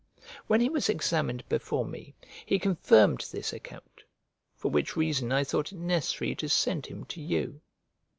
When he was examined before me, he confirmed this account, for which reason I thought it necessary to send him to you.